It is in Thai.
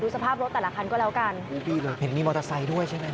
สภาพรถแต่ละคันก็แล้วกันเห็นมีมอเตอร์ไซค์ด้วยใช่ไหม